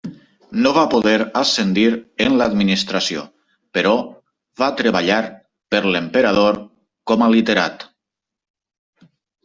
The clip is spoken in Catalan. No va poder ascendir en l'administració però va treballar per l'emperador com a literat.